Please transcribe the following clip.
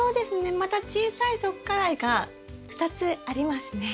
また小さい側花蕾が２つありますね。